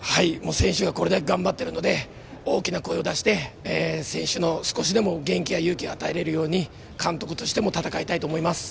選手がこれだけ頑張っているので大きな声を出して選手の少しでも元気や勇気を与えれるように監督としても戦いたいと思います。